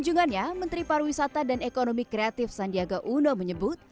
kunjungannya menteri pariwisata dan ekonomi kreatif sandiaga uno menyebut